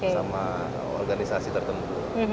sama organisasi tertentu